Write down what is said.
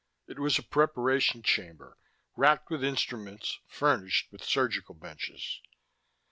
It was a preparation chamber, racked with instruments, furnished with surgical benches.